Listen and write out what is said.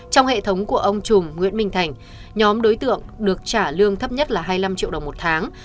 trong hệ thống của ông trùm nguyễn minh thành nhóm đối tượng được trả lương thấp nhất là hai mươi năm triệu đồng một tháng